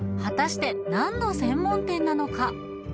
はたして何の専門店なのか？